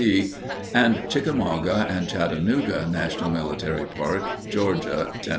and Chickamauga and Chattanooga National Military Park, Ga. Tenn.